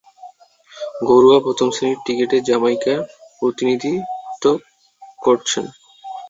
ঘরোয়া প্রথম-শ্রেণীর ক্রিকেটে জামাইকার প্রতিনিধিত্ব করছেন।